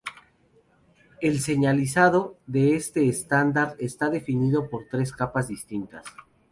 El señalizado de este estándar está definido en tres capas distintas.